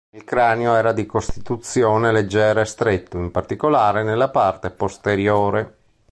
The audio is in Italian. Il cranio era di costituzione leggera e stretto, in particolare nella parte posteriore.